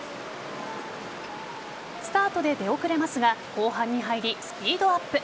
スタートで出遅れますが後半に入りスピードアップ。